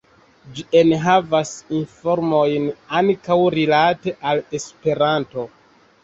Ĝi enhavas informojn ankaŭ rilate al Esperanto.